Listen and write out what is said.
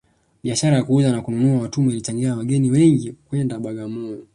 biashara ya kuuza na kununua watumwa ilichangia wageni wengi kwenda bagamoyo